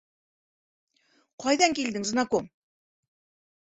— Ҡайҙан килдең, знаком?